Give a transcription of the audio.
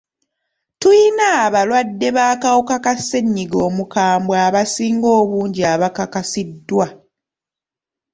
Tuyina abalwadde b'akawuka ka ssenyiga omukambwe abasinga obungi abakakasiddwa.